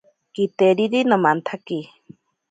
Kiteriri nomantsaki.